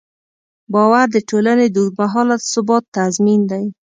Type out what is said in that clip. باور د ټولنې د اوږدمهاله ثبات تضمین دی.